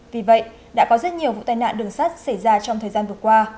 vì vậy đã có rất nhiều vụ tai nạn đường sắt xảy ra trong thời gian vừa qua